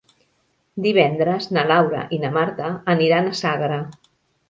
Divendres na Laura i na Marta aniran a Sagra.